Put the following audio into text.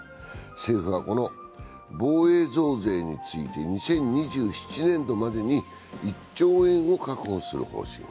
政府はこの防衛増税について２０２７年度までに１兆円を確保する方針。